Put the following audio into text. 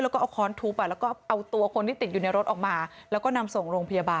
แล้วก็เอาค้อนทุบแล้วก็เอาตัวคนที่ติดอยู่ในรถออกมาแล้วก็นำส่งโรงพยาบาล